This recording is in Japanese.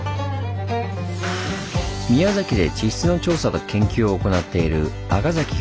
宮崎で地質の調査と研究を行っている赤崎広志さん。